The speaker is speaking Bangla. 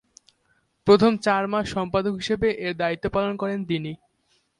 প্রথম চার মাস সম্পাদক হিসেবে এর দায়িত্ব পালন করেন তিনি।